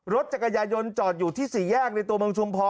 รถจักรยายนจอดอยู่ที่สี่แยกในตัวเมืองชุมพร